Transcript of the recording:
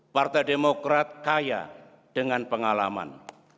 partai demokrat kaya dengan pengalaman